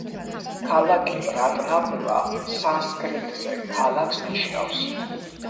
სახელი რატნაპურა სანსკრიტზე ქალაქს ნიშნავს.